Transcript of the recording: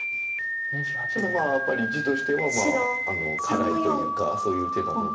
ただやっぱり地としては辛いというかそういう手なので。